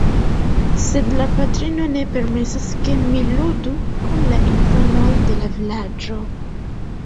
Sed la patrino ne permesas, ke mi ludu kun la infanoj de la vilaĝo.